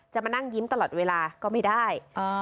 มานั่งยิ้มตลอดเวลาก็ไม่ได้